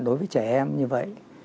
đối với trẻ em như vậy